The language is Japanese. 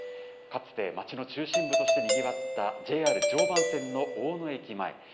かつて町の中心部としてにぎわったＪＲ常磐線の大野駅前。